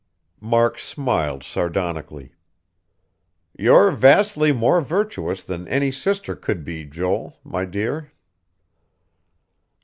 Mark smiled sardonically. "You're vastly more virtuous than any sister could be, Joel, my dear."